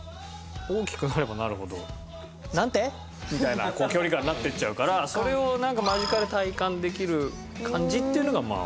なのでやっぱ。になっていっちゃうからそれを間近で体感できる感じっていうのがまあ